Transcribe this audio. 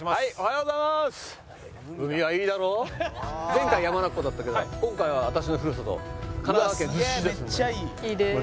前回山中湖だったけど今回は私のふるさと神奈川県逗子市ですので。